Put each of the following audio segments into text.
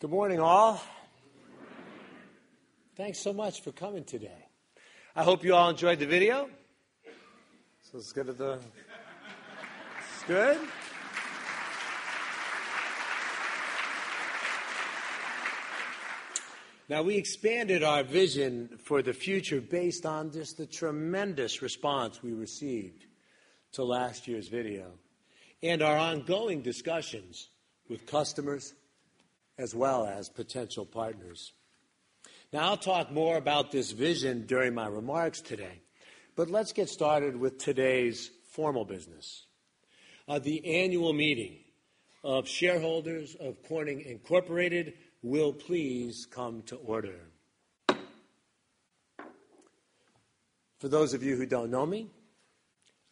Good morning, all. Thanks so much for coming today. I hope you all enjoyed the video. Now, we expanded our vision for the future based on just the tremendous response we received to last year's video and our ongoing discussions with customers as well as potential partners. I'll talk more about this vision during my remarks today, but let's get started with today's formal business. The annual meeting of shareholders of Corning Incorporated will please come to order. For those of you who don't know me,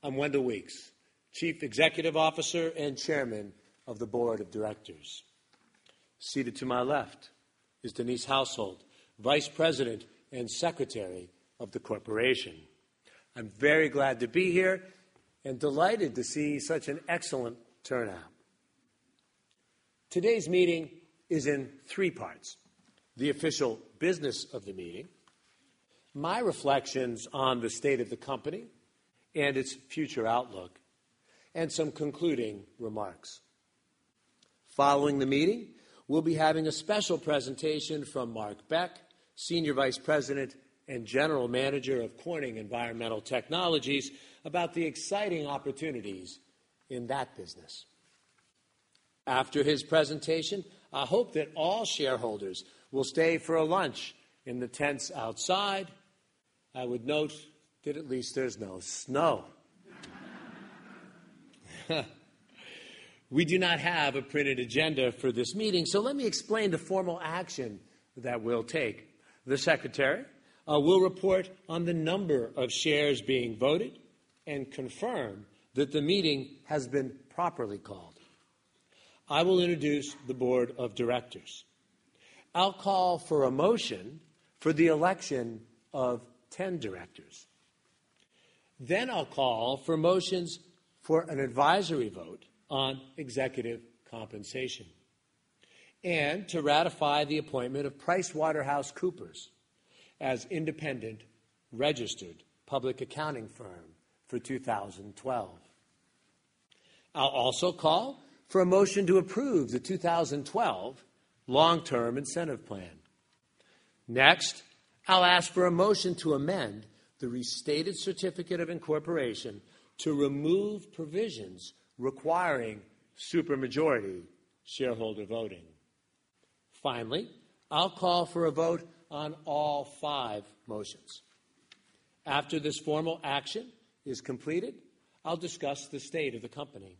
I'm Wendell Weeks, Chief Executive Officer and Chairman of the Board of Directors. Seated to my left is Denise Hauselt, Vice President and Secretary of the corporation. I'm very glad to be here and delighted to see such an excellent turnout. Today's meeting is in three parts: the official business of the meeting, my reflections on the state of the company and its future outlook, and some concluding remarks. Following the meeting, we'll be having a special presentation from Mark Beck, Senior Vice President and General Manager of Corning Environmental Technologies, about the exciting opportunities in that business. After his presentation, I hope that all shareholders will stay for a lunch in the tents outside. I would note that at least there's no snow. We do not have a printed agenda for this meeting, so let me explain the formal action that we'll take. The Secretary will report on the number of shares being voted and confirm that the meeting has been properly called. I will introduce the Board of Directors. I'll call for a motion for the election of 10 directors. I'll call for motions for an advisory vote on executive compensation and to ratify the appointment of PricewaterhouseCoopers as an independent registered public accounting firm for 2012. I'll also call for a motion to approve the 2012 long-term incentive plan. Next, I'll ask for a motion to amend the restated certificate of incorporation to remove provisions requiring supermajority shareholder voting. Finally, I'll call for a vote on all five motions. After this formal action is completed, I'll discuss the state of the company.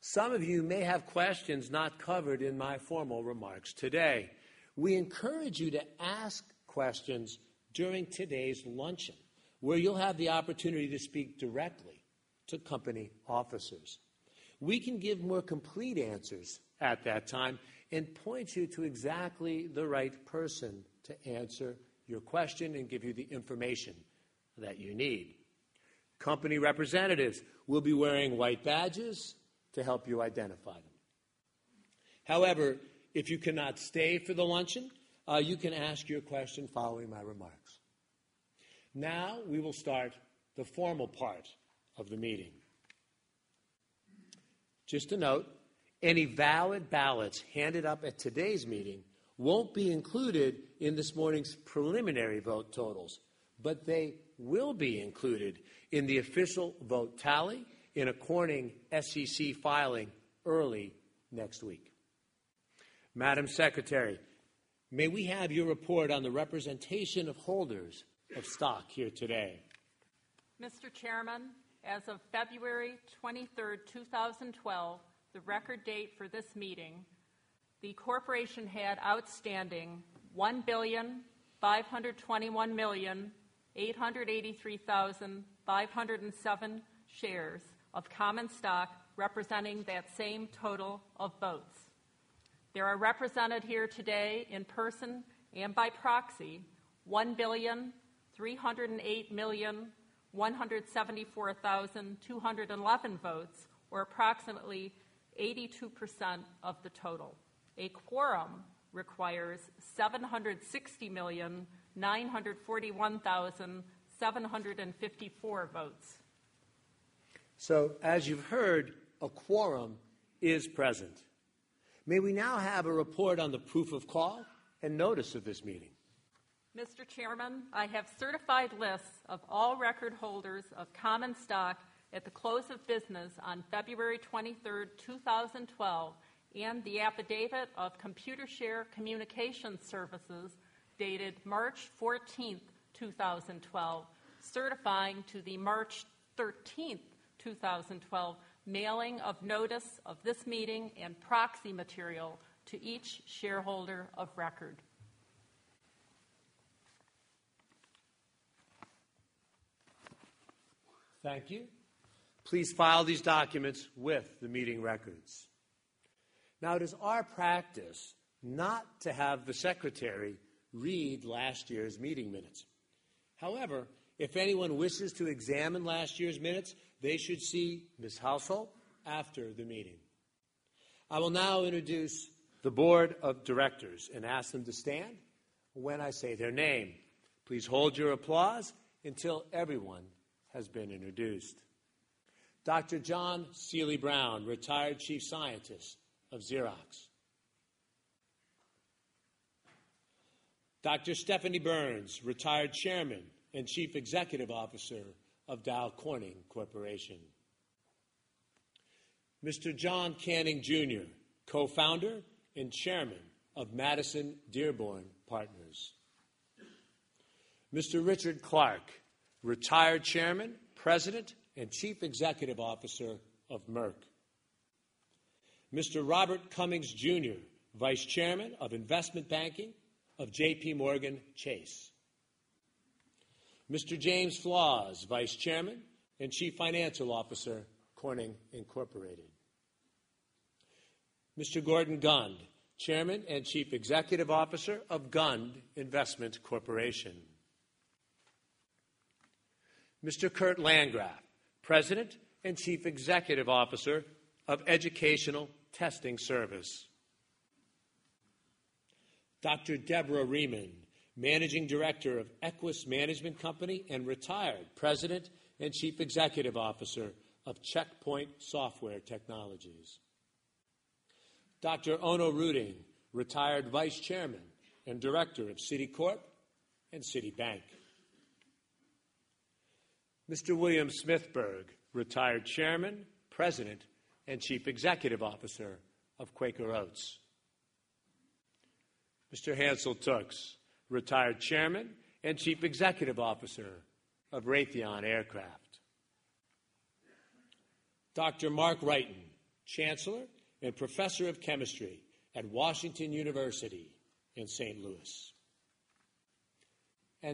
Some of you may have questions not covered in my formal remarks today. We encourage you to ask questions during today's luncheon, where you'll have the opportunity to speak directly to company officers. We can give more complete answers at that time and point you to exactly the right person to answer your question and give you the information that you need. Company representatives will be wearing white badges to help you identify them. However, if you cannot stay for the luncheon, you can ask your question following my remarks. Now, we will start the formal part of the meeting. Just a note, any valid ballots handed up at today's meeting won't be included in this morning's preliminary vote totals, but they will be included in the official vote tally in a Corning SEC filing early next week. Madam Secretary, may we have your report on the representation of holders of stock here today? Mr. Chairman, as of February 23, 2012, the record date for this meeting, the Corporation had outstanding 1,521,883,507 shares of common stock representing that same total of votes. There are represented here today in person and by proxy 1,308,174,211 votes, or approximately 82% of the total. A quorum requires 760,941,754 votes. As you've heard, a quorum is present. May we now have a report on the proof of call and notice of this meeting? Mr. Chairman, I have certified lists of all record holders of common stock at the close of business on February 23, 2012, and the affidavit of Computershare Communication Services dated March 14, 2012, certifying to the March 13, 2012, mailing of notice of this meeting and proxy material to each shareholder of record. Thank you. Please file these documents with the meeting records. Now, it is our practice not to have the Secretary read last year's meeting minutes. However, if anyone wishes to examine last year's minutes, they should see Ms. Hauselt after the meeting. I will now introduce the Board of Directors and ask them to stand when I say their name. Please hold your applause until everyone has been introduced. Dr. John Seely Brown, retired Chief Scientist of Xerox. Dr. Stephanie Burns, retired Chairman and Chief Executive Officer of Dow Corning Corporation. Mr. John Canning Jr., Co-Founder and Chairman of Madison Dearborn Partners. Mr. Richard Clark, retired Chairman, President and Chief Executive Officer of Merck. Mr. Robert Cummings Jr., Vice Chairman of Investment Banking of JPMorgan Chase. Mr. James Flaws, Vice Chairman and Chief Financial Officer, Corning Incorporated. Mr. Gordon Gund, Chairman and Chief Executive Officer of Gund Investment Corporation. Mr. Kurt Landgraf, President and Chief Executive Officer of Educational Testing Service. Dr. Deborah Rieman, Managing Director of Equus Management Company and retired President and Chief Executive Officer of Checkpoint Software Technologies. Dr. Onno Ruding, retired Vice Chairman and Director of Citicorp and Citibank. Mr. William Smithberg, retired Chairman, President and Chief Executive Officer of Quaker Oats. Mr. Hansel Tookes, retired Chairman and Chief Executive Officer of Raytheon Aircraft. Dr. Mark Wrighton, Chancellor and Professor of Chemistry at Washington University in St. Louis.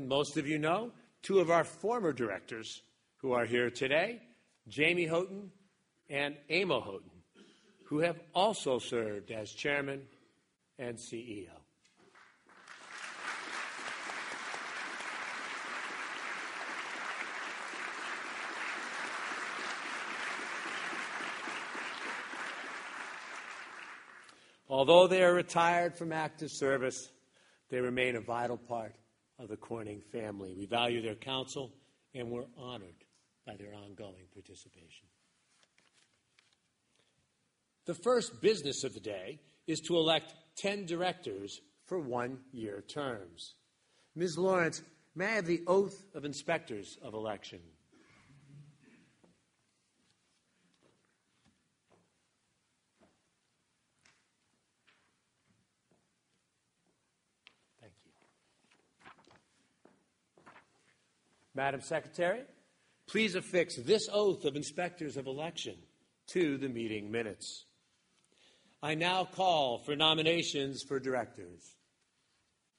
Most of you know two of our former directors who are here today, Jamie Houghton and Amo Houghton, who have also served as Chairman and CEO. Although they are retired from active service, they remain a vital part of the Corning family. We value their counsel and we're honored by their ongoing participation. The first business of the day is to elect 10 directors for one-year terms. Ms. Lawrence, may I have the oath of inspectors of election? Thank you. Madam Secretary, please affix this oath of inspectors of election to the meeting minutes. I now call for nominations for directors.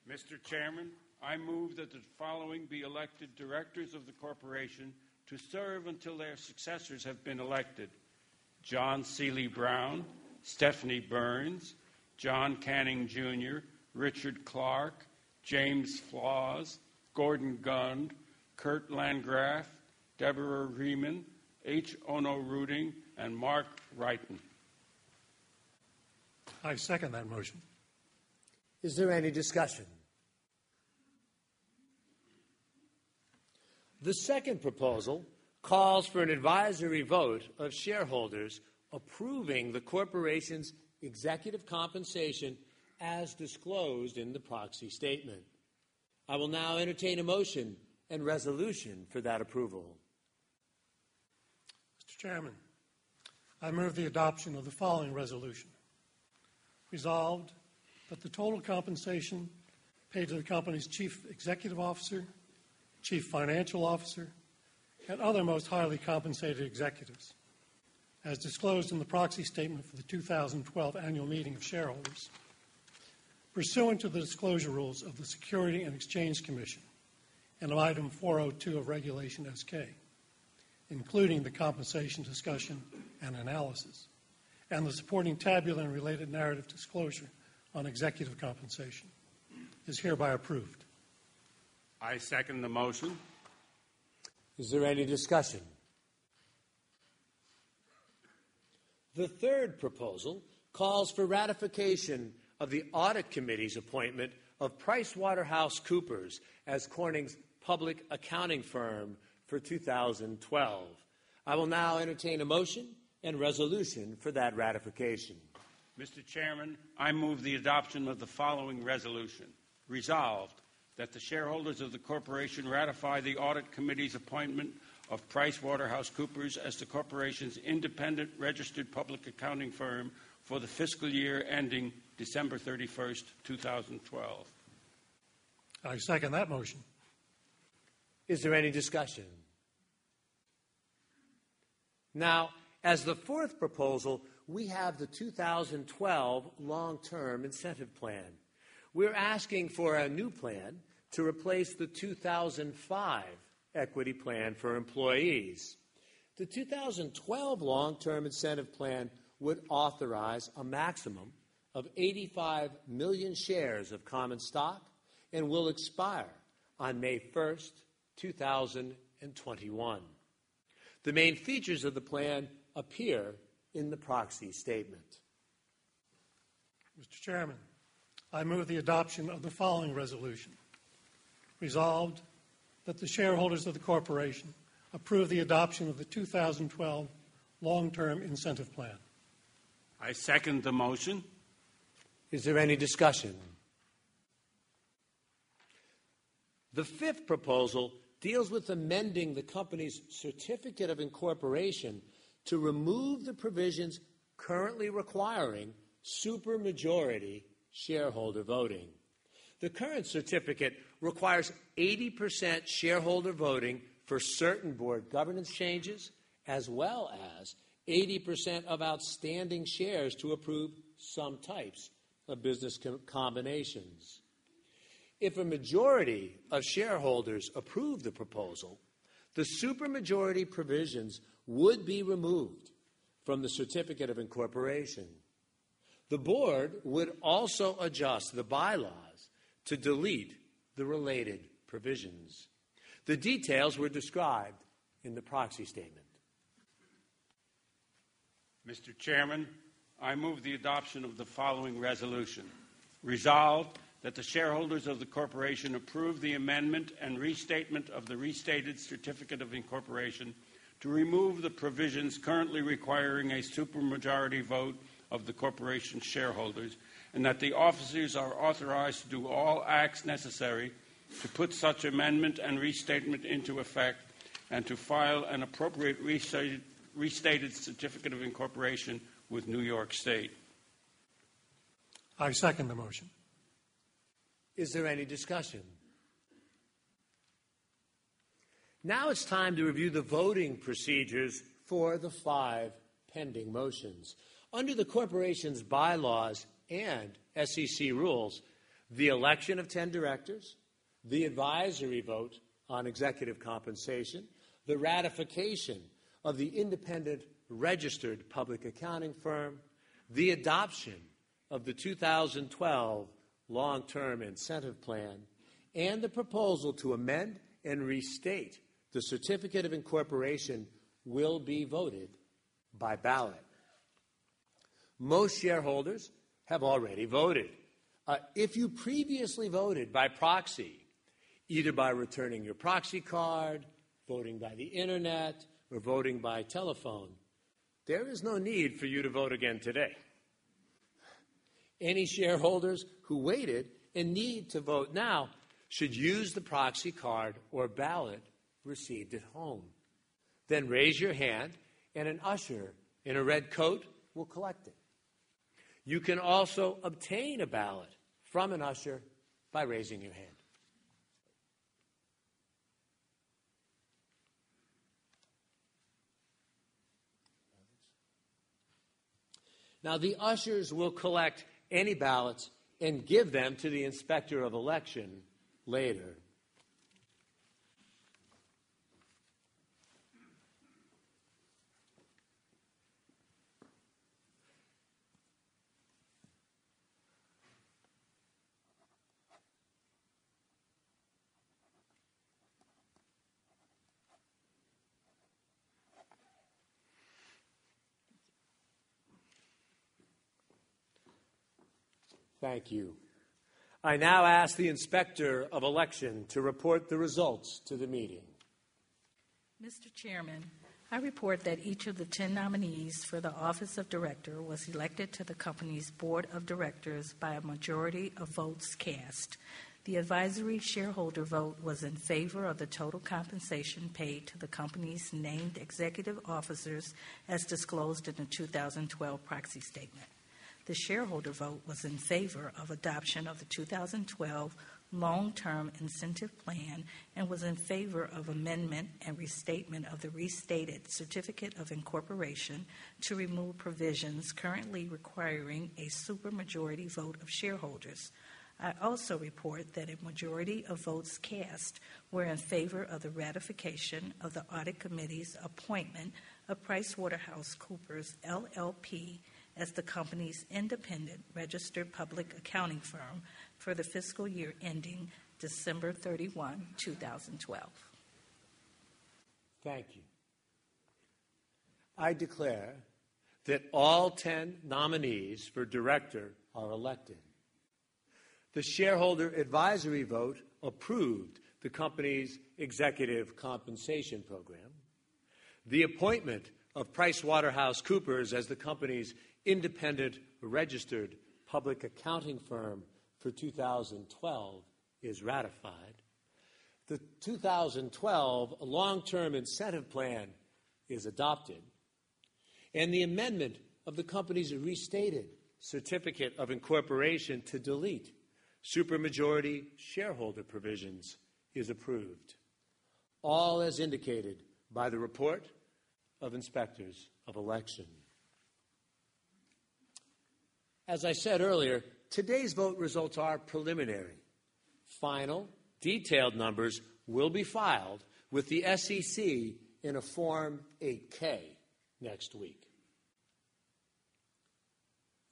Mr. Chairman, I move that the following be elected directors of the Corporation to serve until their successors have been elected: John Seely Brown, Stephanie Burns, John Canning Jr., Richard Clark, James Flaws, Gordon Gund, Kurt Landgraf, Deborah Rieman, H. Onno Ruding, and Mark Wrighton. I second that motion. Is there any discussion? The second proposal calls for an advisory vote of shareholders approving the Corporation's executive compensation as disclosed in the proxy statement. I will now entertain a motion and resolution for that approval. Mr. Chairman, I move the adoption of the following resolution. Resolved, that the total compensation paid to the company's Chief Executive Officer, Chief Financial Officer, and other most highly compensated executives, as disclosed in the proxy statement for the 2012 annual meeting of shareholders, pursuant to the disclosure rules of the Securities and Exchange Commission and Item 402 of Regulation S-K, including the compensation discussion and analysis and the supporting tabular and related narrative disclosure on executive compensation, is hereby approved. I second the motion. Is there any discussion? The third proposal calls for ratification of the Audit Committee's appointment of PricewaterhouseCoopers as Corning's public accounting firm for 2012. I will now entertain a motion and resolution for that ratification. Mr. Chairman, I move the adoption of the following resolution. Resolved, that the shareholders of the corporation ratify the Audit Committee's appointment of PricewaterhouseCoopers as the corporation's independent registered public accounting firm for the fiscal year ending December 31, 2012. I second that motion. Is there any discussion? Now, as the fourth proposal, we have the 2012 long-term incentive plan. We're asking for a new plan to replace the 2005 equity plan for employees. The 2012 long-term incentive plan would authorize a maximum of 85 million shares of common stock and will expire on May 1, 2021. The main features of the plan appear in the proxy statement. Mr. Chairman, I move the adoption of the following resolution. Resolved, that the shareholders of the Corporation approve the adoption of the 2012 long-term incentive plan. I second the motion. Is there any discussion? The fifth proposal deals with amending the company's certificate of incorporation to remove the provisions currently requiring supermajority shareholder voting. The current certificate requires 80% shareholder voting for certain board governance changes, as well as 80% of outstanding shares to approve some types of business combinations. If a majority of shareholders approved the proposal, the supermajority provisions would be removed from the certificate of incorporation. The board would also adjust the bylaws to delete the related provisions. The details were described in the proxy statement. Mr. Chairman, I move the adoption of the following resolution. Resolved, that the shareholders of the corporation approve the amendment and restatement of the restated certificate of incorporation to remove the provisions currently requiring a supermajority vote of the corporation's shareholders, and that the officers are authorized to do all acts necessary to put such amendment and restatement into effect and to file an appropriate restated certificate of incorporation with New York State. I second the motion. Is there any discussion? Now it's time to review the voting procedures for the five pending motions. Under the corporation's bylaws and SEC rules, the election of 10 directors, the advisory vote on executive compensation, the ratification of the independent registered public accounting firm, the adoption of the 2012 long-term incentive plan, and the proposal to amend and restate the certificate of incorporation will be voted by ballot. Most shareholders have already voted. If you previously voted by proxy, either by returning your proxy card, voting by the internet, or voting by telephone, there is no need for you to vote again today. Any shareholders who waited and need to vote now should use the proxy card or ballot received at home. Raise your hand and an usher in a red coat will collect it. You can also obtain a ballot from an usher by raising your hand. Now, the ushers will collect any ballots and give them to the inspector of election later. Thank you. I now ask the inspector of election to report the results to the meeting. Mr. Chairman, I report that each of the 10 nominees for the Office of Director was elected to the company's Board of Directors by a majority of votes cast. The advisory shareholder vote was in favor of the total compensation paid to the company's named executive officers, as disclosed in the 2012 proxy statement. The shareholder vote was in favor of adoption of the 2012 long-term incentive plan and was in favor of amendment and restatement of the restated certificate of incorporation to remove provisions currently requiring a supermajority vote of shareholders. I also report that a majority of votes cast were in favor of the ratification of the audit committee's appointment of PricewaterhouseCoopers LLP as the company's independent registered public accounting firm for the fiscal year ending December 31, 2012. Thank you. I declare that all 10 nominees for Director are elected. The shareholder advisory vote approved the company's executive compensation program. The appointment of PricewaterhouseCoopers as the company's independent registered public accounting firm for 2012 is ratified. The 2012 long-term incentive plan is adopted, and the amendment of the company's restated certificate of incorporation to delete supermajority shareholder provisions is approved, all as indicated by the report of inspectors of election. As I said earlier, today's vote results are preliminary. Final detailed numbers will be filed with the SEC in a Form 8-K next week.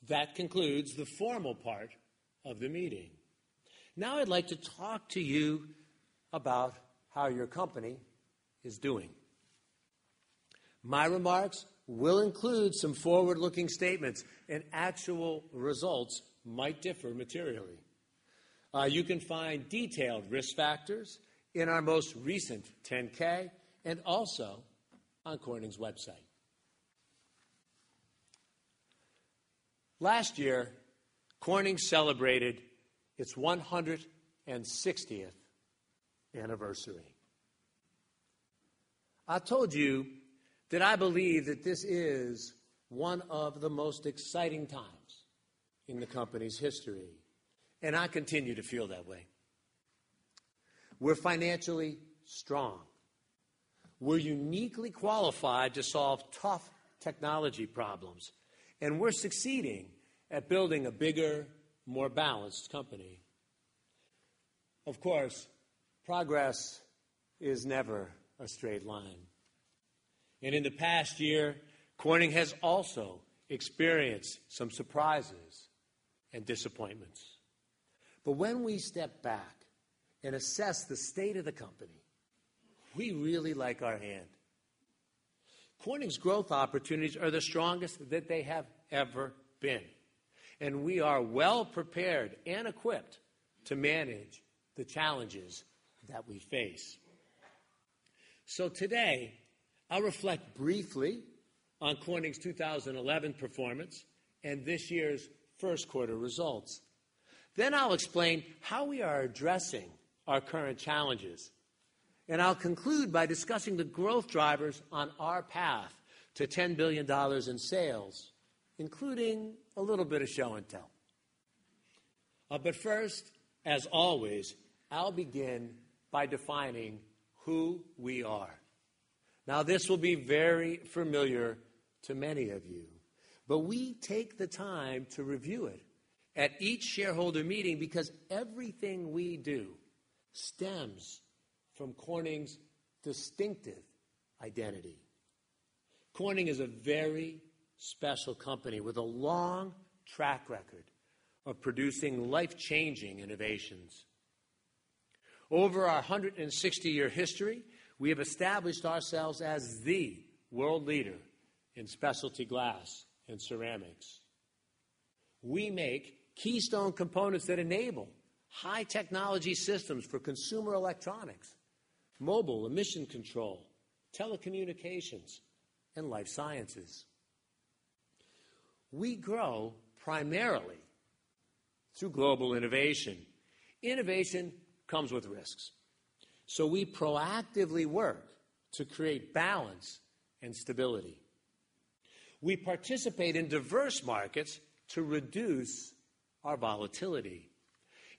That concludes the formal part of the meeting. Now I'd like to talk to you about how your company is doing. My remarks will include some forward-looking statements, and actual results might differ materially. You can find detailed risk factors in our most recent 10-K and also on Corning's website. Last year, Corning celebrated its 160th anniversary. I told you that I believe that this is one of the most exciting times in the company's history, and I continue to feel that way. We're financially strong. We're uniquely qualified to solve tough technology problems, and we're succeeding at building a bigger, more balanced company. Of course, progress is never a straight line. In the past year, Corning has also experienced some surprises and disappointments. When we step back and assess the state of the company, we really like our hand. Corning's growth opportunities are the strongest that they have ever been, and we are well prepared and equipped to manage the challenges that we face. Today, I'll reflect briefly on Corning's 2011 performance and this year's first quarter results. I'll explain how we are addressing our current challenges, and I'll conclude by discussing the growth drivers on our path to $10 billion in sales, including a little bit of show and tell. First, as always, I'll begin by defining who we are. This will be very familiar to many of you, but we take the time to review it at each shareholder meeting because everything we do stems from Corning's distinctive identity. Corning is a very special company with a long track record of producing life-changing innovations. Over our 160-year history, we have established ourselves as the world leader in specialty glass and ceramics. We make keystone components that enable high-technology systems for consumer electronics, mobile emission control, telecommunications, and life sciences. We grow primarily through global innovation. Innovation comes with risks, so we proactively work to create balance and stability. We participate in diverse markets to reduce our volatility,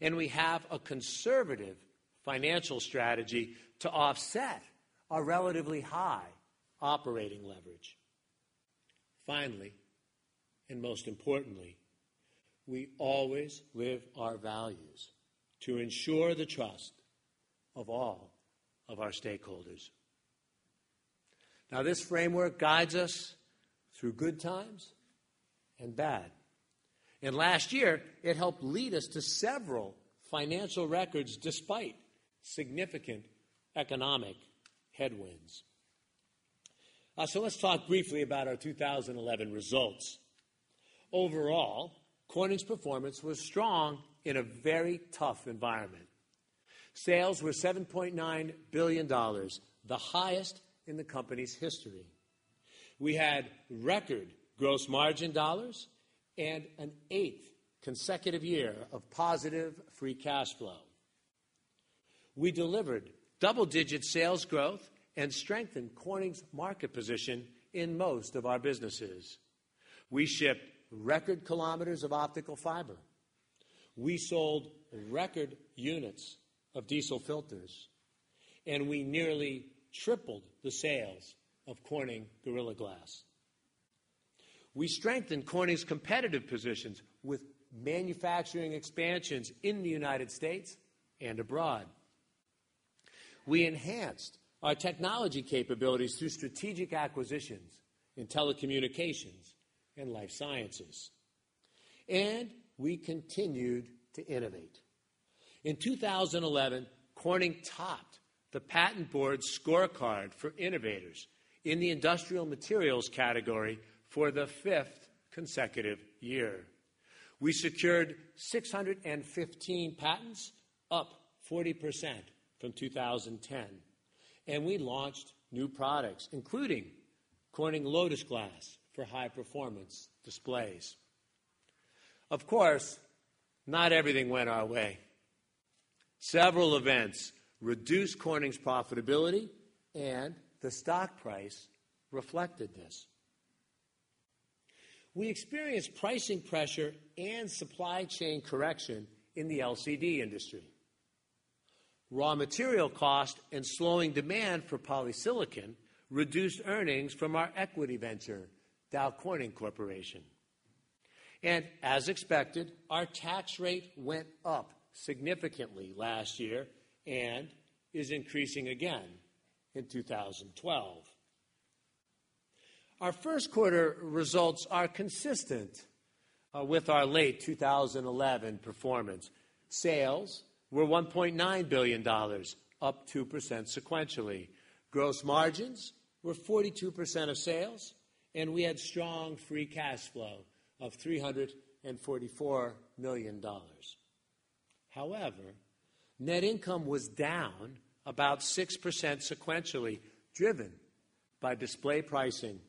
and we have a conservative financial strategy to offset our relatively high operating leverage. Finally, and most importantly, we always live our values to ensure the trust of all of our stakeholders. This framework guides us through good times and bad. Last year, it helped lead us to several financial records despite significant economic headwinds. Let's talk briefly about our 2011 results. Overall, Corning's performance was strong in a very tough environment. Sales were $7.9 billion, the highest in the company's history. We had record gross margin dollars and an eighth consecutive year of positive free cash flow. We delivered double-digit sales growth and strengthened Corning's market position in most of our businesses. We shipped record kilometers of optical fiber. We sold record units of diesel filters, and we nearly tripled the sales of Corning Gorilla Glass. We strengthened Corning's competitive positions with manufacturing expansions in the United States and abroad. We enhanced our technology capabilities through strategic acquisitions in telecommunications and life sciences, and we continued to innovate. In 2011, Corning topped the Patent Board Scorecard for Innovators in the Industrial Materials category for the fifth consecutive year. We secured 615 patents, up 40% from 2010, and we launched new products, including Corning Lotus Glass for high-performance displays. Of course, not everything went our way. Several events reduced Corning's profitability, and the stock price reflected this. We experienced pricing pressure and supply chain correction in the LCD industry. Raw material cost and slowing demand for polysilicon reduced earnings from our equity venture, Dow Corning Corporation. As expected, our tax rate went up significantly last year and is increasing again in 2012. Our first quarter results are consistent with our late 2011 performance. Sales were $1.9 billion, up 2% sequentially. Gross margins were 42% of sales, and we had strong free cash flow of $344 million. However, net income was down about 6% sequentially, driven by display pricing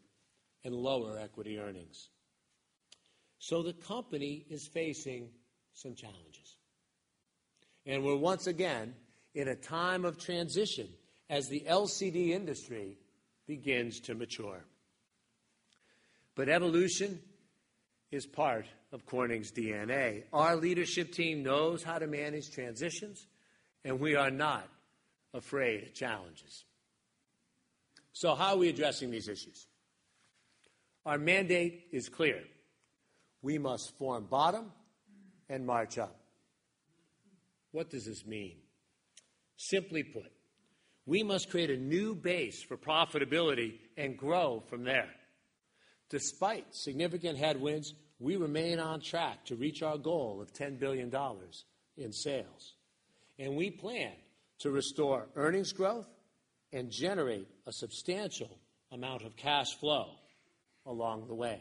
and lower equity earnings. The company is facing some challenges, and we're once again in a time of transition as the LCD industry begins to mature. Evolution is part of Corning's DNA. Our leadership team knows how to manage transitions, and we are not afraid of challenges. How are we addressing these issues? Our mandate is clear. We must form bottom and march up. What does this mean? Simply put, we must create a new base for profitability and grow from there. Despite significant headwinds, we remain on track to reach our goal of $10 billion in sales, and we plan to restore earnings growth and generate a substantial amount of cash flow along the way.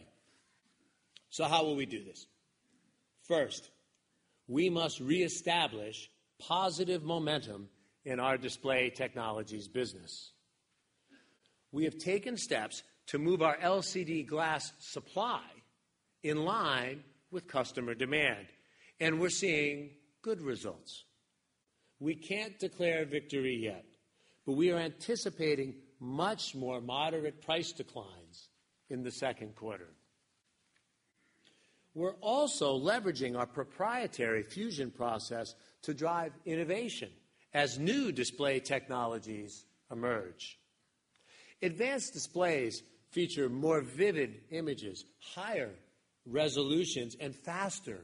How will we do this? First, we must reestablish positive momentum in our Display Technologies business. We have taken steps to move our LCD glass supply in line with customer demand, and we're seeing good results. We can't declare victory yet, but we are anticipating much more moderate price declines in the second quarter. We're also leveraging our proprietary fusion process to drive innovation as new display technologies emerge. Advanced displays feature more vivid images, higher resolutions, and faster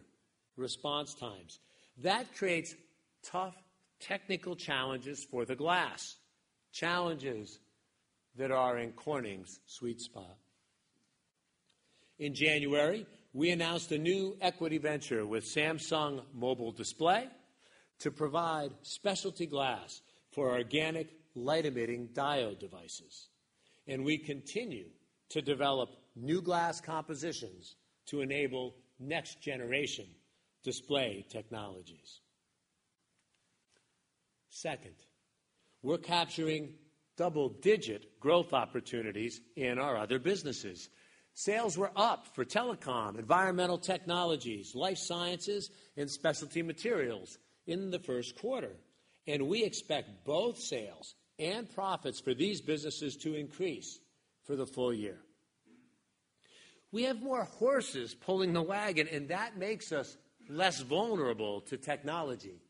response times. That creates tough technical challenges for the glass, challenges that are in Corning's sweet spot. In January, we announced a new equity venture with Samsung Mobile Display to provide specialty glass for organic light-emitting diode devices, and we continue to develop new glass compositions to enable next-generation display technologies. Second, we're capturing double-digit growth opportunities in our other businesses. Sales were up for Telecom, Environmental Technologies, Life Sciences, and Specialty Materials in the first quarter, and we expect both sales and profits for these businesses to increase for the full year. We have more horses pulling the wagon, and that makes us less vulnerable to technology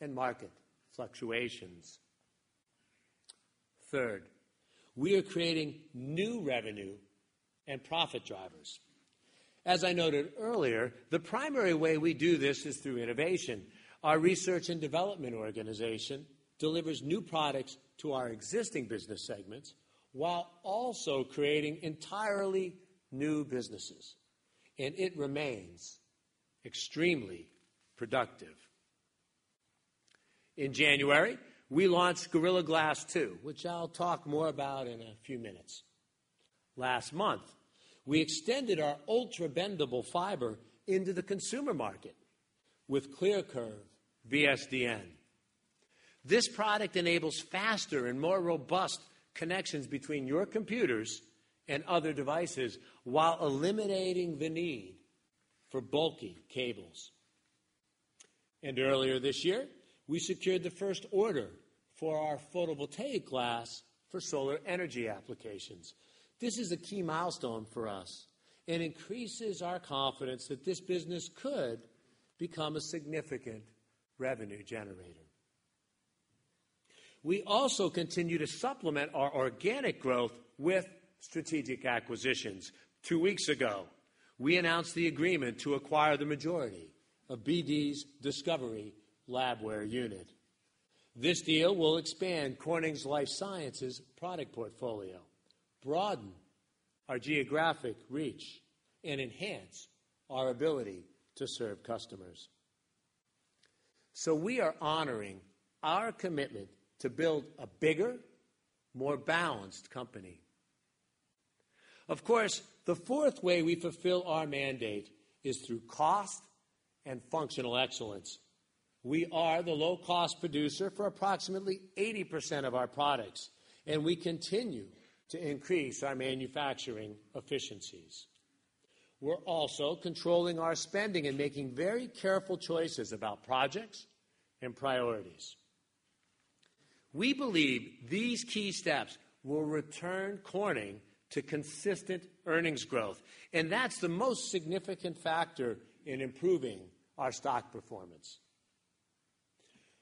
and market fluctuations. Third, we are creating new revenue and profit drivers. As I noted earlier, the primary way we do this is through innovation. Our research and development organization delivers new products to our existing business segments while also creating entirely new businesses, and it remains extremely productive. In January, we launched Gorilla Glass 2, which I'll talk more about in a few minutes. Last month, we extended our ultra-bendable fiber into the consumer market with ClearCurve VSDN. This product enables faster and more robust connections between your computers and other devices while eliminating the need for bulky cables. Earlier this year, we secured the first order for our photovoltaic glass for solar energy applications. This is a key milestone for us and increases our confidence that this business could become a significant revenue generator. We also continue to supplement our organic growth with strategic acquisitions. Two weeks ago, we announced the agreement to acquire the majority of BD's Discovery LabWare unit. This deal will expand Corning's life sciences product portfolio, broaden our geographic reach, and enhance our ability to serve customers. We are honoring our commitment to build a bigger, more balanced company. Of course, the fourth way we fulfill our mandate is through cost and functional excellence. We are the low-cost producer for approximately 80% of our products, and we continue to increase our manufacturing efficiencies. We're also controlling our spending and making very careful choices about projects and priorities. We believe these key steps will return Corning to consistent earnings growth, and that's the most significant factor in improving our stock performance.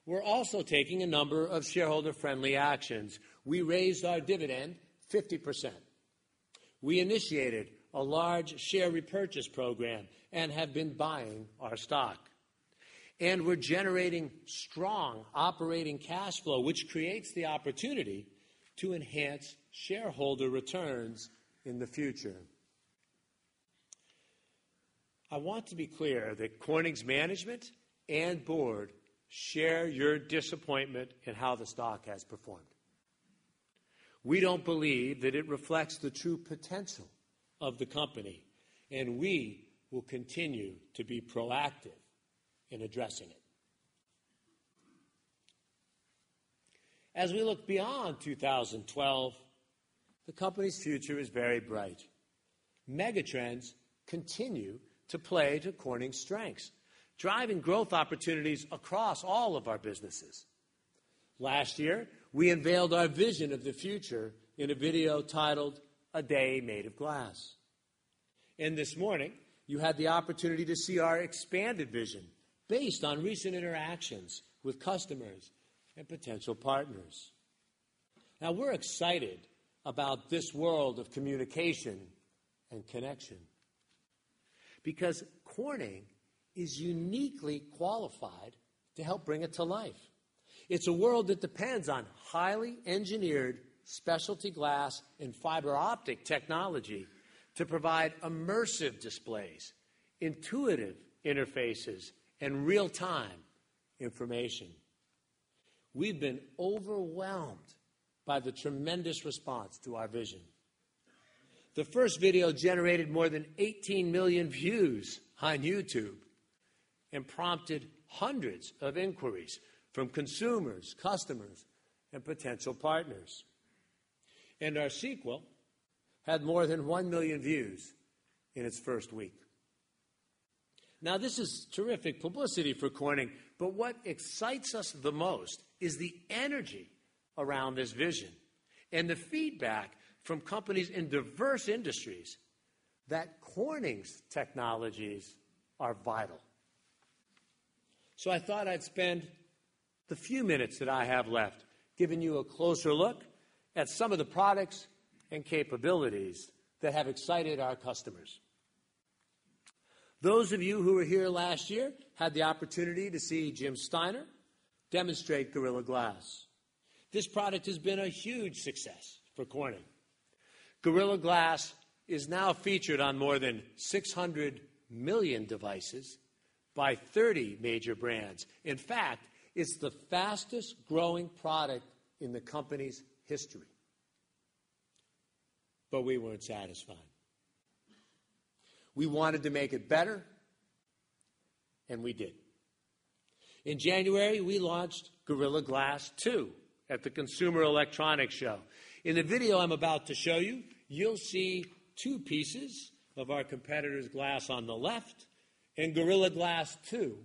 We're also taking a number of shareholder-friendly actions. We raised our dividend 50%. We initiated a large share repurchase program and have been buying our stock. We're generating strong operating cash flow, which creates the opportunity to enhance shareholder returns in the future. I want to be clear that Corning's management and board share your disappointment in how the stock has performed. We don't believe that it reflects the true potential of the company, and we will continue to be proactive in addressing it. As we look beyond 2012, the company's future is very bright. Megatrends continue to play to Corning's strengths, driving growth opportunities across all of our businesses. Last year, we unveiled our vision of the future in a video titled "A Day Made of Glass." This morning, you had the opportunity to see our expanded vision based on recent interactions with customers and potential partners. Now, we're excited about this world of communication and connection because Corning is uniquely qualified to help bring it to life. It's a world that depends on highly engineered specialty glass and fiber optics technology to provide immersive displays, intuitive interfaces, and real-time information. We've been overwhelmed by the tremendous response to our vision. The first video generated more than 18 million views on YouTube and prompted hundreds of inquiries from consumers, customers, and potential partners. Our sequel had more than 1 million views in its first week. This is terrific publicity for Corning, but what excites us the most is the energy around this vision and the feedback from companies in diverse industries that Corning's technologies are vital. I thought I'd spend the few minutes that I have left giving you a closer look at some of the products and capabilities that have excited our customers. Those of you who were here last year had the opportunity to see Jim Steiner demonstrate Gorilla Glass. This product has been a huge success for Corning. Gorilla Glass is now featured on more than 600 million devices by 30 major brands. In fact, it's the fastest growing product in the company's history. We weren't satisfied. We wanted to make it better, and we did. In January, we launched Gorilla Glass 2 at the Consumer Electronics Show. In the video I'm about to show you, you'll see two pieces of our competitor's glass on the left and Gorilla Glass 2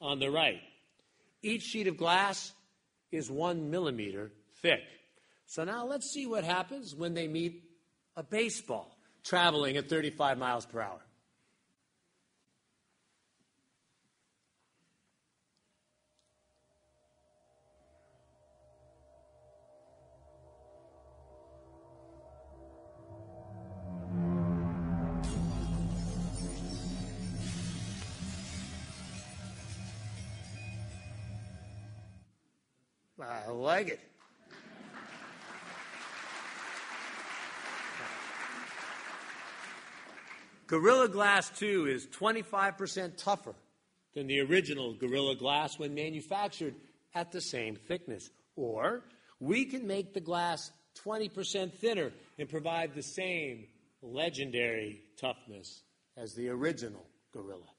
on the right. Each sheet of glass is one millimeter thick. Now let's see what happens when they meet a baseball traveling at 35 mph. Wow, I like it. Gorilla Glass 2 is 25% tougher than the original Gorilla Glass when manufactured at the same thickness. We can make the glass 20% thinner and provide the same legendary toughness as the original Gorilla.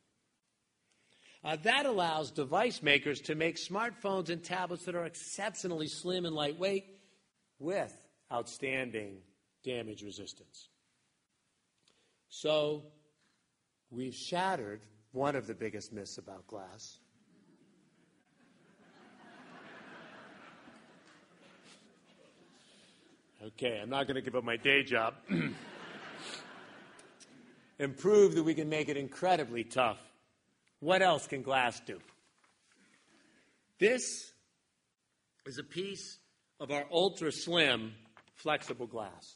That allows device makers to make smartphones and tablets that are exceptionally slim and lightweight with outstanding damage resistance. We've shattered one of the biggest myths about glass. Okay, I'm not going to give up my day job. I've proved that we can make it incredibly tough. What else can glass do? This is a piece of our ultra-slim flexible glass.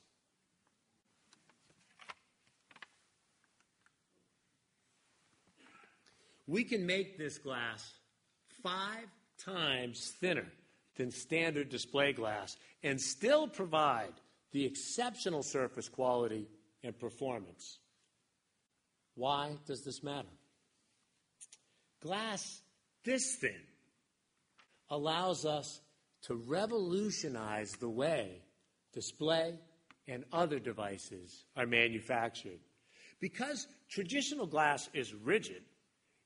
We can make this glass five times thinner than standard display glass and still provide the exceptional surface quality and performance. Why does this matter? Glass this thin allows us to revolutionize the way display and other devices are manufactured. Because traditional glass is rigid,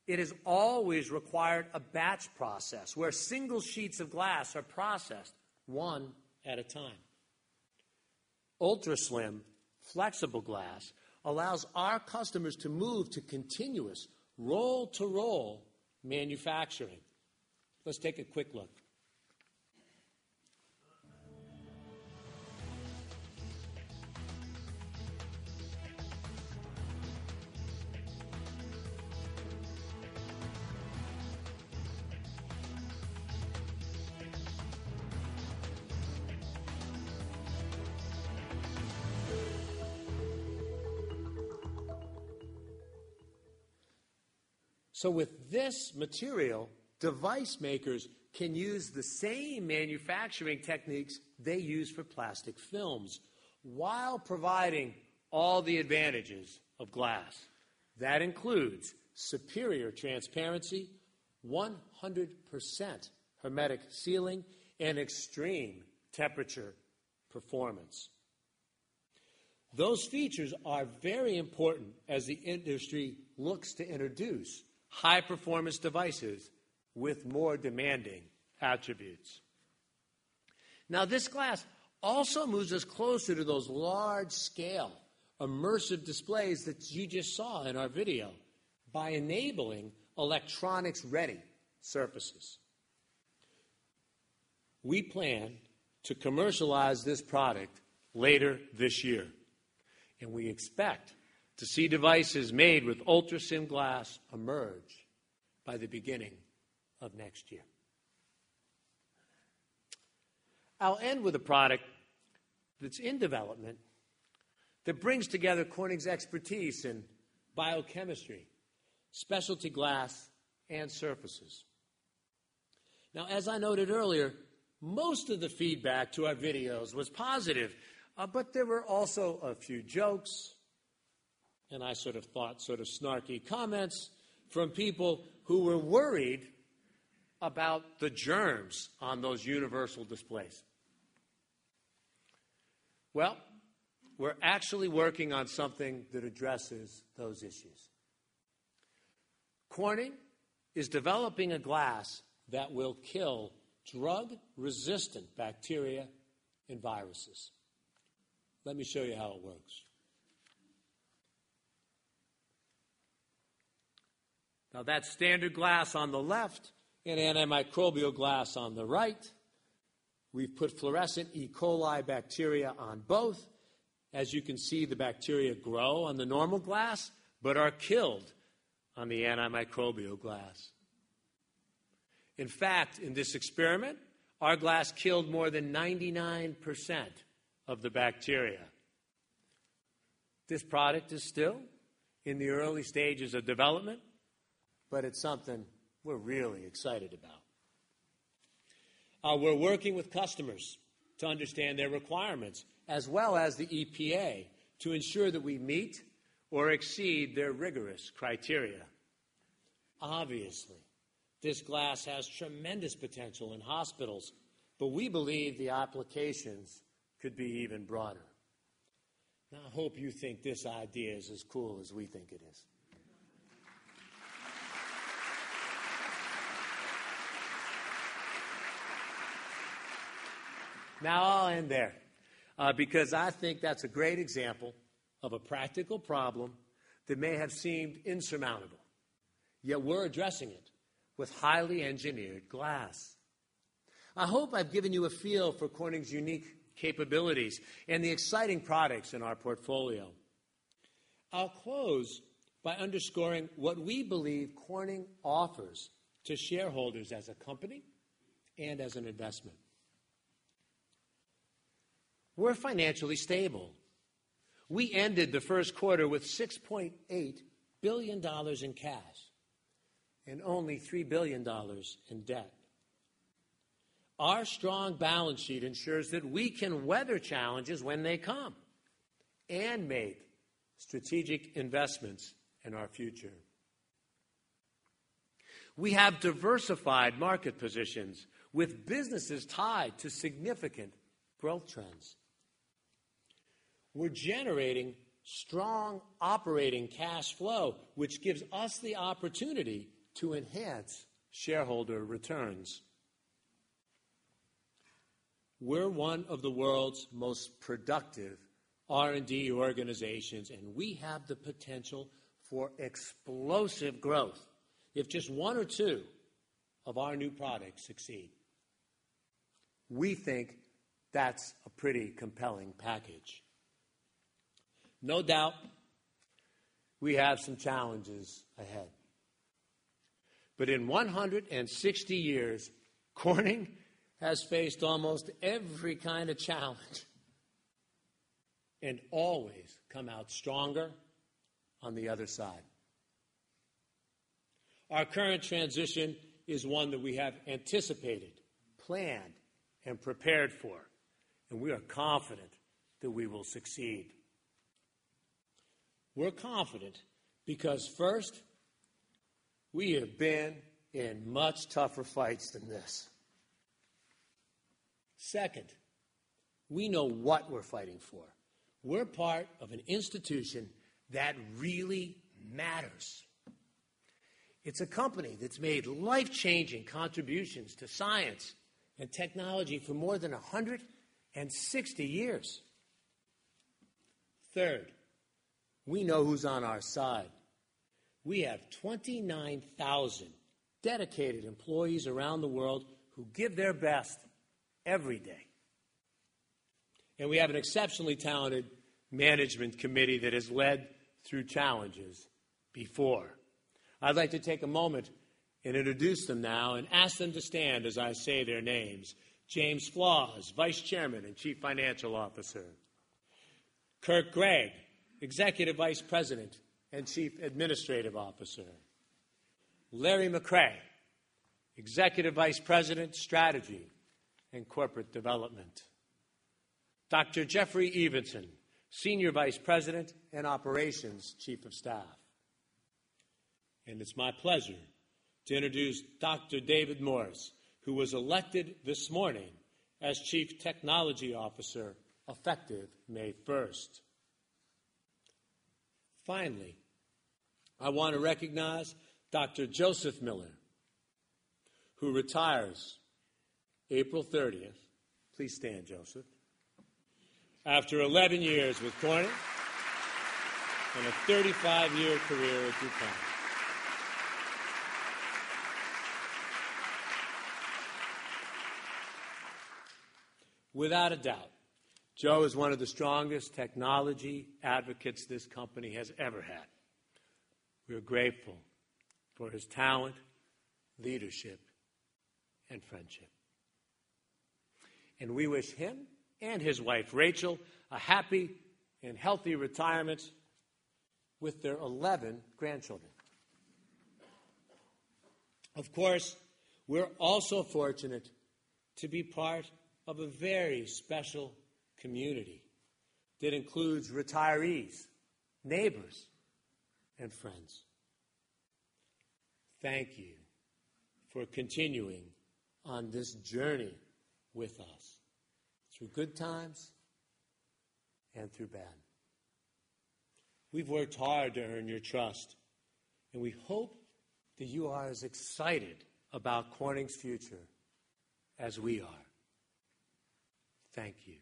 it has always required a batch process where single sheets of glass are processed one at a time. Ultra-slim flexible glass allows our customers to move to continuous roll-to-roll manufacturing. Let's take a quick look. With this material, device makers can use the same manufacturing techniques they use for plastic films while providing all the advantages of glass. That includes superior transparency, 100% hermetic sealing, and extreme temperature performance. Those features are very important as the industry looks to introduce high-performance devices with more demanding attributes. This glass also moves us closer to those large-scale immersive displays that you just saw in our video by enabling electronics-ready surfaces. We plan to commercialize this product later this year, and we expect to see devices made with ultra-slim glass emerge by the beginning of next year. I'll end with a product that's in development that brings together Corning's expertise in biochemistry, specialty glass, and surfaces. As I noted earlier, most of the feedback to our videos was positive, but there were also a few jokes and sort of snarky comments from people who were worried about the germs on those universal displays. We're actually working on something that addresses those issues. Corning is developing a glass that will kill drug-resistant bacteria and viruses. Let me show you how it works. That's standard glass on the left and antimicrobial glass on the right. We've put fluorescent E. coli bacteria on both. As you can see, the bacteria grow on the normal glass but are killed on the antimicrobial glass. In fact, in this experiment, our glass killed more than 99% of the bacteria. This product is still in the early stages of development, but it's something we're really excited about. We're working with customers to understand their requirements, as well as the EPA, to ensure that we meet or exceed their rigorous criteria. Obviously, this glass has tremendous potential in hospitals, but we believe the applications could be even broader. I hope you think this idea is as cool as we think it is. I'll end there because I think that's a great example of a practical problem that may have seemed insurmountable. Yet we're addressing it with highly engineered glass. I hope I've given you a feel for Corning's unique capabilities and the exciting products in our portfolio. I'll close by underscoring what we believe Corning offers to shareholders as a company and as an investment. We're financially stable. We ended the first quarter with $6.8 billion in cash and only $3 billion in debt. Our strong balance sheet ensures that we can weather challenges when they come and make strategic investments in our future. We have diversified market positions with businesses tied to significant growth trends. We're generating strong operating cash flow, which gives us the opportunity to enhance shareholder returns. We're one of the world's most productive R&D organizations, and we have the potential for explosive growth if just one or two of our new products succeed. We think that's a pretty compelling package. No doubt, we have some challenges ahead. In 160 years, Corning has faced almost every kind of challenge and always come out stronger on the other side. Our current transition is one that we have anticipated, planned, and prepared for, and we are confident that we will succeed. We're confident because, first, we have been in much tougher fights than this. Second, we know what we're fighting for. We're part of an institution that really matters. It's a company that's made life-changing contributions to science and technology for more than 160 years. Third, we know who's on our side. We have 29,000 dedicated employees around the world who give their best every day. We have an exceptionally talented management committee that has led through challenges before. I'd like to take a moment and introduce them now and ask them to stand as I say their names: James Flaws, Vice Chairman and Chief Financial Officer; Kirk Gregg, Executive Vice President and Chief Administrative Officer; Larry McCray, Executive Vice President, Strategy and Corporate Development; Dr. Jeffrey Evenson, Senior Vice President and Operations Chief of Staff. It's my pleasure to introduce Dr. David Morse, who was elected this morning as Chief Technology Officer, effective May 1. Finally, I want to recognize Dr. Joseph Miller, who retires April 30. Please stand, Joseph. After 11 years with Corning and a 35-year career at DuPont. Without a doubt, Joe is one of the strongest technology advocates this company has ever had. We're grateful for his talent, leadership, and friendship. We wish him and his wife, Rachel, a happy and healthy retirement with their 11 grandchildren. Of course, we're also fortunate to be part of a very special community that includes retirees, neighbors, and friends. Thank you for continuing on this journey with us through good times and through bad. We've worked hard to earn your trust, and we hope that you are as excited about Corning's future as we are. Thank you.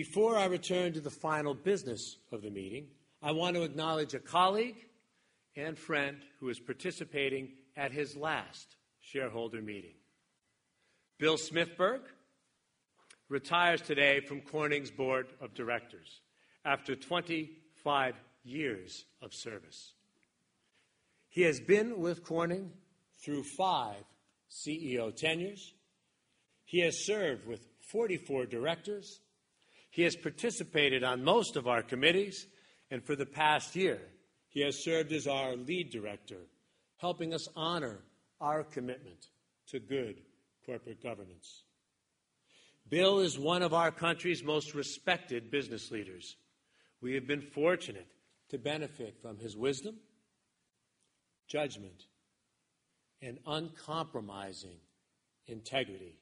Before I return to the final business of the meeting, I want to acknowledge a colleague and friend who is participating at his last shareholder meeting. Bill Smithberg retires today from Corning's Board of Directors after 25 years of service. He has been with Corning through five CEO tenures. He has served with 44 directors. He has participated on most of our committees, and for the past year, he has served as our Lead Director, helping us honor our commitment to good corporate governance. Bill is one of our country's most respected business leaders. We have been fortunate to benefit from his wisdom, judgment, and uncompromising integrity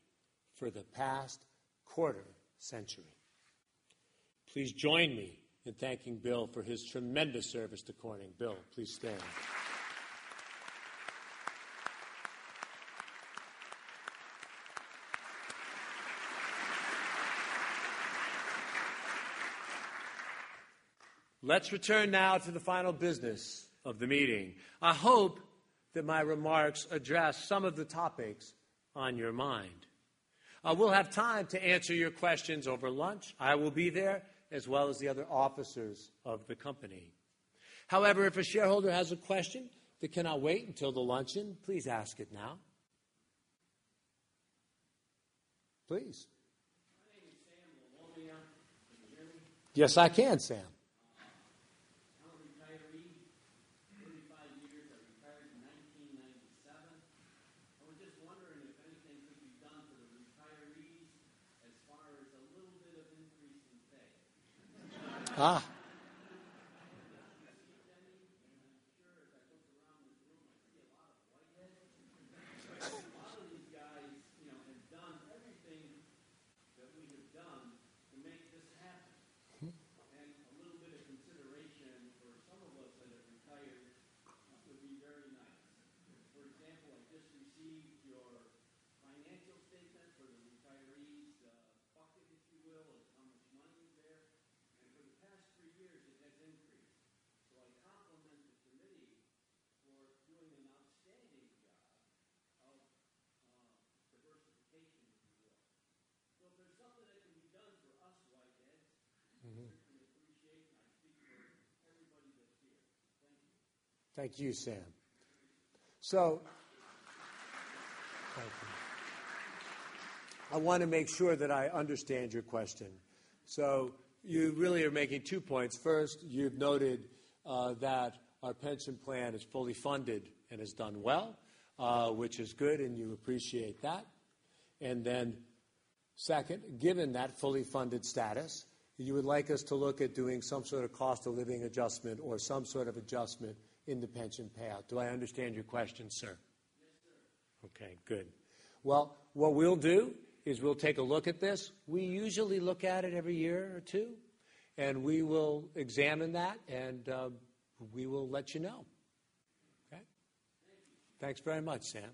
for the past quarter century. Please join me in thanking Bill for his tremendous service to Corning. Bill, please stand. Let's return now to the final business of the meeting. I hope that my remarks address some of the topics on your mind. I will have time to answer your questions over lunch. I will be there, as well as the other officers of the company. However, if a shareholder has a question that cannot wait until the luncheon, please ask it now. Please. Hey, Sam. Yes, I can, Sam. Thank you, Sam. I want to make sure that I understand your question. You really are making two points. First, you've noted that our pension plan is fully funded and has done well, which is good, and you appreciate that. Second, given that fully funded status, you would like us to look at doing some sort of cost of living adjustment or some sort of adjustment in the pension payout. Do I understand your question, sir? Okay, good. What we will do is take a look at this. We usually look at it every year or two, and we will examine that and let you know. Okay? Thanks very much, Sam.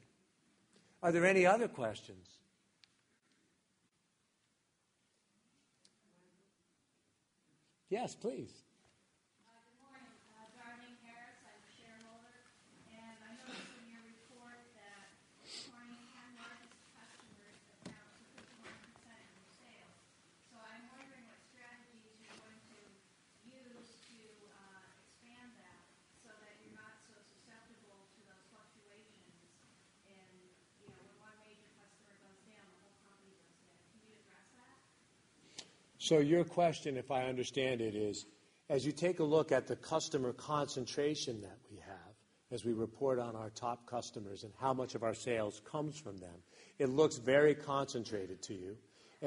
Are there any other questions? Yes, please. Hi, good morning. I'm Darlene Harris. I'm a shareholder, and I noticed in your report that Corning had not discussed the rate that now is a 51% in sales. I'm wondering what strategies you're going to use to expand that so that you're not so susceptible to those fluctuations, you know, with one major customer that's down the whole company. If I understand it, as you take a look at the customer concentration that we have as we report on our top customers and how much of our sales comes from them, it looks very concentrated to you.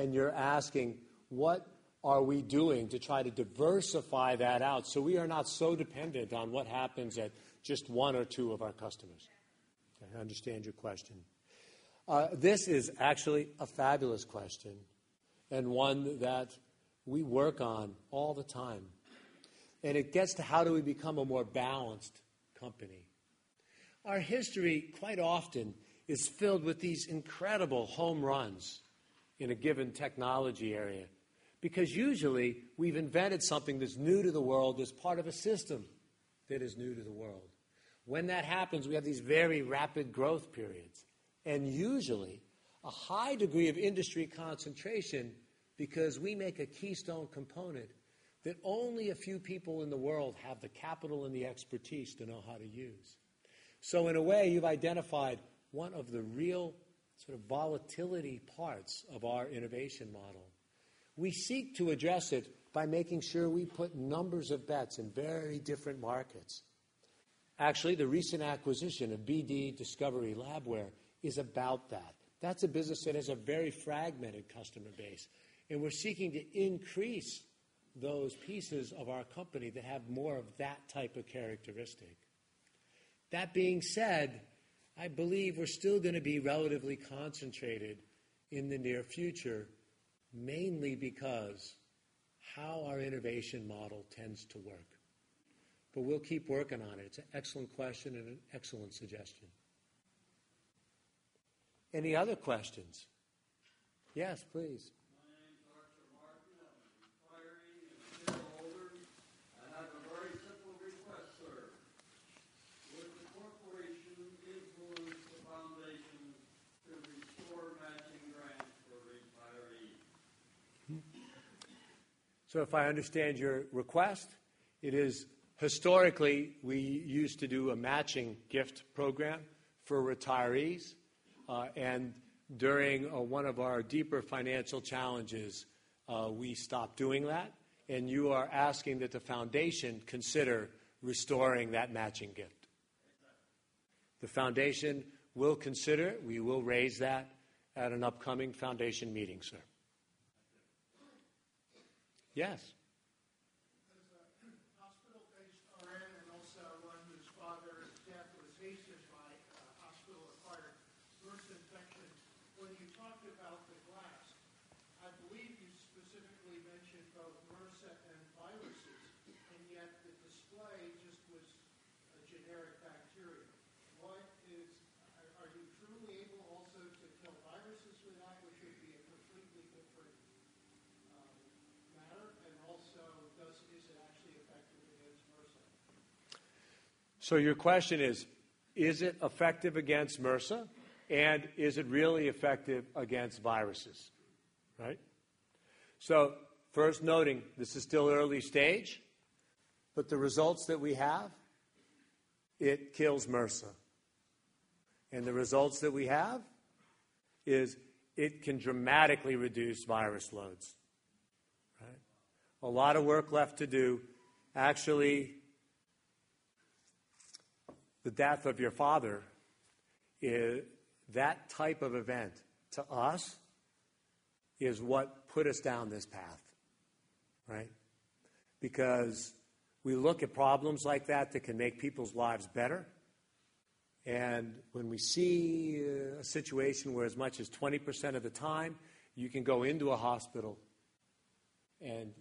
You're asking what we are doing to try to diversify that out so we are not so dependent on what happens at just one or two of our customers. I understand your question. This is actually a fabulous question and one that we work on all the time. It gets to how we become a more balanced company. Our history quite often is filled with these incredible home runs in a given technology area because usually we've invented something that's new to the world as part of a system that is new to the world. When that happens, we have these very rapid growth periods and usually a high degree of industry concentration because we make a keystone component that only a few people in the world have the capital and the expertise to know how to use. In a way, you've identified one of the real volatility parts of our innovation model. We seek to address it by making sure we put numbers of bets in very different markets. Actually, the recent acquisition of BD Discovery Labware is about that. That's a business that has a very fragmented customer base, and we're seeking to increase those pieces of our company that have more of that type of characteristic. That being said, I believe we're still going to be relatively concentrated in the near future, mainly because of how our innovation model tends to work. We'll keep working on it. It's an excellent question and an excellent suggestion. Any other questions? Yes, please. Dr. Martin, I'm sorry if you're all over. I have a very simple request, sir. Would the corporation influence the foundation to perform matching grants for retirees? If I understand your request, it is historically we used to do a matching gift program for retirees. During one of our deeper financial challenges, we stopped doing that. You are asking that the foundation consider restoring that matching gift. The foundation will consider. We will raise that at an upcoming foundation meeting, sir. Yes. I'm sorry. Also, one whose father's death was hasty as well, the hospital acquired MRSA infection. When you talked about the glass, I believe you specifically mentioned both MRSA and viruses, yet the display just was a generic bacteria. What is, are you truly able also to tell viruses from that? What could be a completely different matter? Also, does it, is it actually effective against MRSA? Your question is, is it effective against MRSA, and is it really effective against viruses? First noting, this is still early stage, but the results that we have, it kills MRSA. The results that we have is it can dramatically reduce virus loads. A lot of work left to do. Actually, the death of your father, that type of event to us is what put us down this path. We look at problems like that that can make people's lives better. When we see a situation where as much as 20% of the time you can go into a hospital and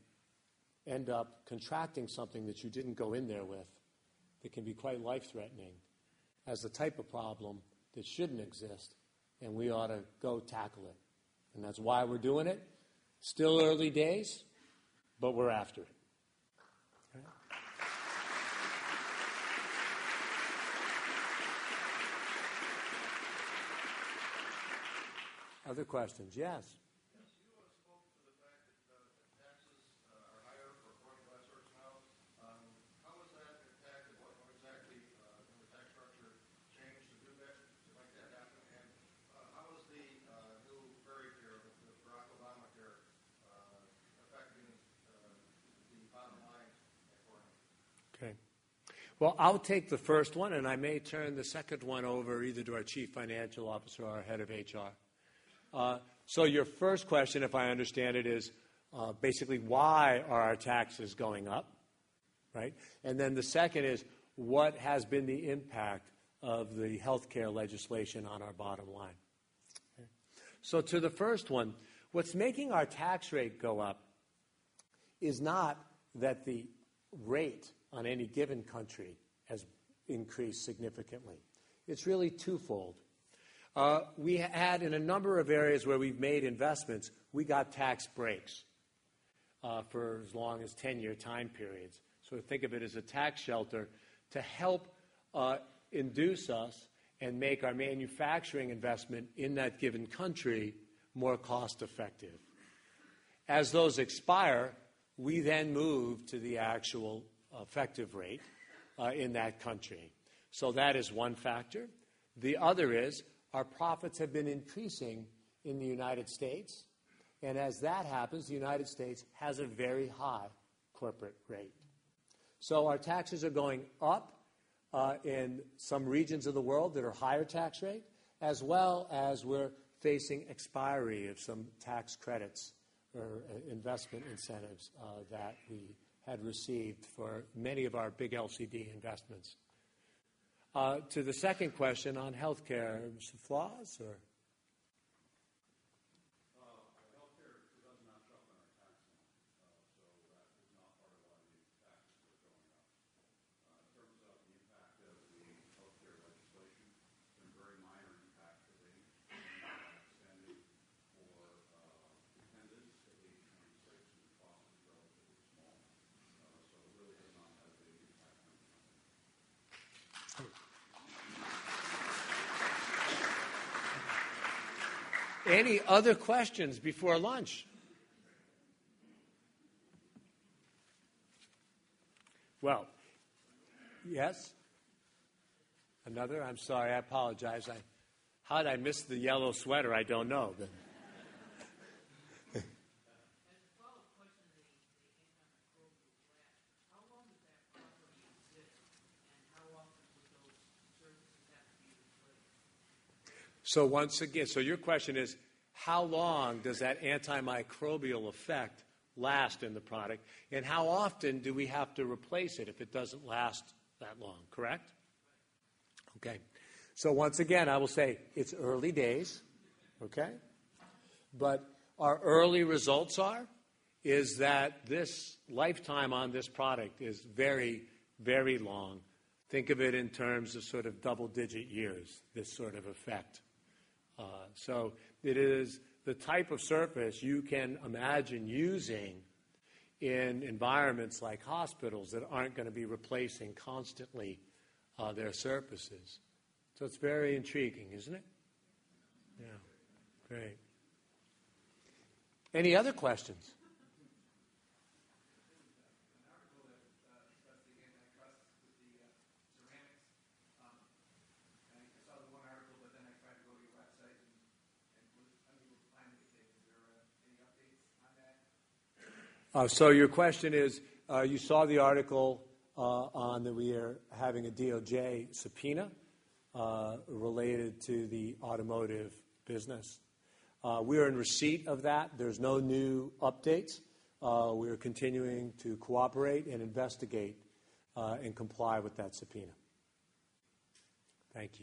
end up contracting something that you didn't go in there with, it can be quite life-threatening as a type of problem that shouldn't exist, and we ought to go tackle it. That's why we're doing it. Still early days, but we're after it. Other questions? Yes. Our higher-up Corning blood source, how was that attacked? What exactly kind of the fact that you changed from DuPont to Adapta? How was the new fairy tale of Barack Obama? Okay. I'll take the first one, and I may turn the second one over either to our Chief Financial Officer or our Head of HR. Your first question, if I understand it, is basically why are our taxes going up? Right? The second is, what has been the impact of the healthcare legislation on our bottom line? To the first one, what's making our tax rate go up is not that the rate on any given country has increased significantly. It's really twofold. We had, in a number of areas where we've made investments, tax breaks for as long as 10-year time periods. Think of it as a tax shelter to help induce us and make our manufacturing investment in that given country more cost-effective. As those expire, we then move to the actual effective rate in that country. That is one factor. The other is our profits have been increasing in the United States. As that happens, the United States has a very high corporate rate. Our taxes are going up in some regions of the world that are higher tax rate, as well as we're facing expiry of some tax credits or investment incentives that we had received for many of our big LCD investments. To the second question on healthcare, Mr. Flaws, or? The impact of the healthcare legislation has been very minor. The impact to bring in extended for dependents, typically insurance and quality, is relatively small. Any other questions before lunch? Yes, another. I'm sorry, I apologize. How did I miss the yellow sweater? I don't know. As a follow-up question to the antimicrobial effect, how long did that bother you? Your question is, how long does that antimicrobial effect last in the product? How often do we have to replace it if it doesn't last that long, correct? Okay. I will say it's early days, okay? Our early results are that this lifetime on this product is very, very long. Think of it in terms of sort of double-digit years, this sort of effect. It is the type of surface you can imagine using in environments like hospitals that aren't going to be replacing constantly their surfaces. It's very intriguing, isn't it? Yeah. Great. Any other questions? Just again, that trust with the ceramics. I saw the one article, but then I tried to go to your website and put it. You saw the article on that we are having a DOJ subpoena related to the automotive business. We are in receipt of that. There's no new updates. We are continuing to cooperate and investigate and comply with that subpoena. Thank you.